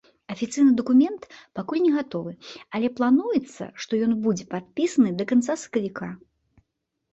Афіцыйны дакумент пакуль не гатовы, але плануецца, што ён будзе падпісаны да канца сакавіка.